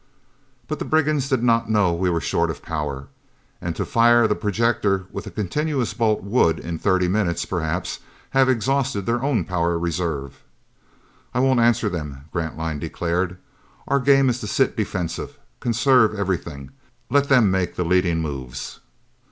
But the brigands did not know we were short of power. And to fire the projector with a continuous bolt would, in thirty minutes, perhaps, have exhausted their own power reserve. "I won't answer them," Grantline declared. "Our game is to sit defensive. Conserve everything. Let them make the leading moves."